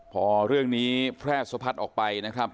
พอเรื่องนี้แพร่สะพัดออกไปนะครับ